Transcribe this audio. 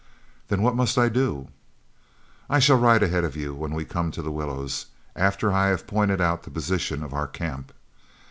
"Then what must I do?" "I shall ride ahead of you when we come to the willows, after I have pointed out the position of our camp.